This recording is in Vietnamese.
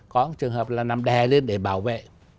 có trường hợp là nằm đè lên để bảo vệ